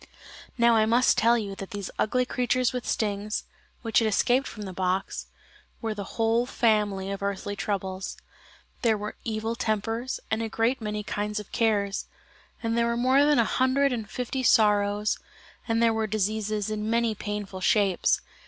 Now I must tell you that these ugly creatures with stings, which had escaped from the box, were the whole family of earthly troubles. There were evil tempers, and a great many kinds of cares: and there were more than a hundred and fifty sorrows, and there were diseases in many painful shapes.